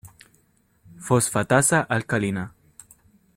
Fosfatasa alcalina